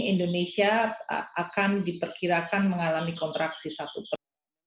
indonesia akan diperkirakan mengalami kontraksi satu persen